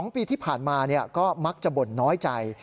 ๒ปีที่ผ่านมาก็มักจะบ่นน้อยใจ